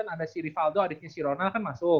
ada si rivaldo adiknya si ronald kan masuk